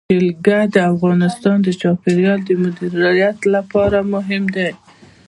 جلګه د افغانستان د چاپیریال د مدیریت لپاره مهم دي.